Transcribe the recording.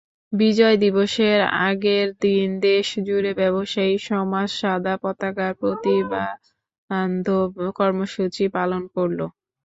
বিজয় দিবসের আগের দিন দেশজুড়ে ব্যবসায়ী সমাজ সাদা পতাকার প্রতিবাদবন্ধন কর্মসূচি পালন করল।